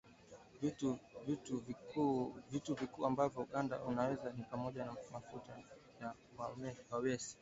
Vitu vikuu ambavyo Uganda inauza ni pamoja na mafuta ya mawese